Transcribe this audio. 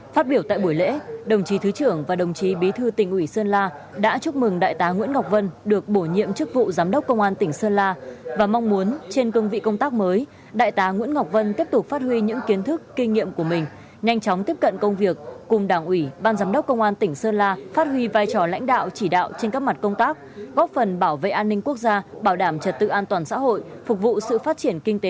phát biểu tại buổi lễ đồng chí thứ trưởng và đồng chí bí thư tỉnh ủy sơn la đã chúc mừng đại tá nguyễn ngọc vân được bổ nhiệm chức vụ giám đốc công an tỉnh sơn la và mong muốn trên công vị công tác mới đại tá nguyễn ngọc vân tiếp tục phát huy những kiến thức kinh nghiệm của mình nhanh chóng tiếp cận công việc cùng đảng ủy ban giám đốc công an tỉnh sơn la phát huy vai trò lãnh đạo chỉ đạo trên các mặt công tác góp phần bảo vệ an ninh quốc gia bảo đảm trật tự an toàn xã hội phục vụ sự phát triển kinh t